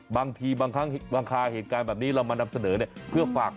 บางทีบางท่าเหตุการณ์เรามานำเสนอเพื่อฝากเตือนไพกัน